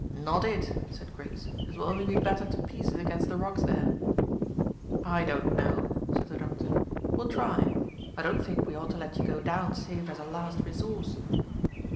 "Not it," said Griggs. "It will only be battered to pieces against the rocks there." "I don't know," said the doctor. "We'll try. I don't think we ought to let you go down save as a last resource."